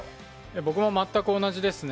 僕も全く同じですね。